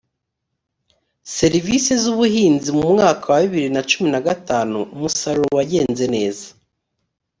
serivisi z’ubuhinzi mu mwaka wa bibili na cumi na gatanu umusaruro wagenze neza